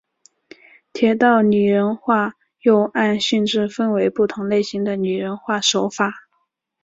铁道拟人化又按性质分为不同类型的拟人化手法。